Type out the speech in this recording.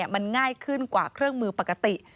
มันง่ายขึ้นกว่าเครื่องมือปกติ